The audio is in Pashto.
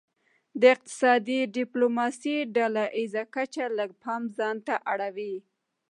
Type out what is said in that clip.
د اقتصادي ډیپلوماسي ډله ایزه کچه لږ پام ځانته اړوي